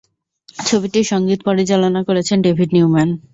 ছবিটি সঙ্গীত পরিচালনা করেছেন ডেভিড নিউম্যান।